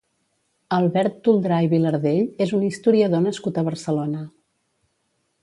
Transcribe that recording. Albert Toldrà i Vilardell és un historiador nascut a Barcelona.